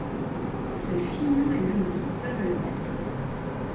Seuls Fignon et LeMond peuvent le battre.